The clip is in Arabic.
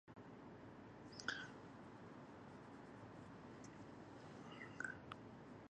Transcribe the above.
رأت ليلى أباها.